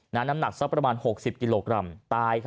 น้ำหนักสักประมาณ๖๐กิโลกรัมตาย